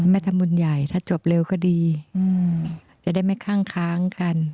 ไม่ทำบุญใหญ่ถ้าจบเร็วก็ดีจะได้ไม่คั่งค้างกัน